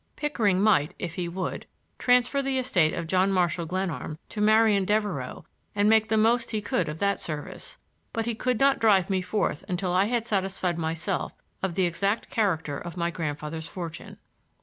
Pickering might, if he would, transfer the estate of John Marshall Glenarm to Marian Devereux and make the most he could of that service, but he should not drive me forth until I had satisfied myself of the exact character of my grandfather's fortune.